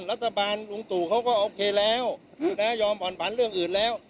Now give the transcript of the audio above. ลุงตู่เขาก็โอเคแล้วยอมผ่อนผันเรื่องอื่นแล้ว